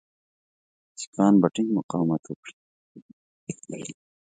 سیکهان به ټینګ مقاومت وکړي.